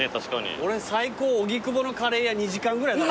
俺最高荻窪のカレー屋２時間ぐらい。